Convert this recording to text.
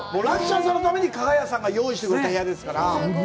ラッシャーさんのために、加賀屋さんが用意してくれた部屋ですから。